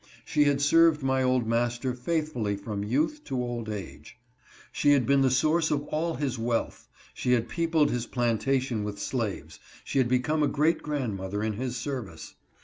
She had served my old master faithfully from youth to old age. She had been the source of all his wealth ; she had peopled his plantation with slaves; she had become a great grandmother in his service.